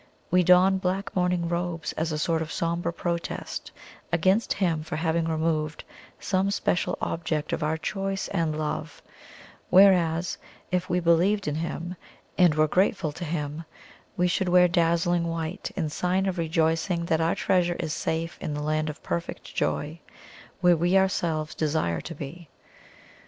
We don black mourning robes as a sort of sombre protest against Him for having removed some special object of our choice and love, whereas, if we believed in Him and were grateful to Him, we should wear dazzling white in sign of rejoicing that our treasure is safe in the land of perfect joy where we ourselves desire to be.